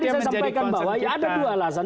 kita menyebutkan bahwa ya ada dua alasan